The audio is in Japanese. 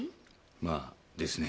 まあですね。